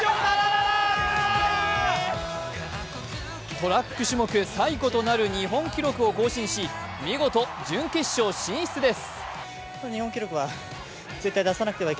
トラック種目最古となる日本記録を更新し見事、準決勝進出です。